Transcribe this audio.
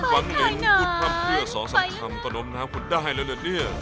หวังลินคุณทำเพื่อสองสามคำตอนอมน้ำคุณได้เลยเหรอเนี่ย